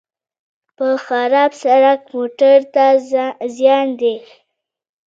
په خراب سړک موټر ته زیان دی.